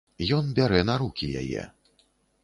Ён бярэ на рукі яе.